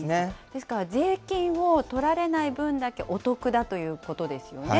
ですから、税金を取られない分だけお得だということですよね。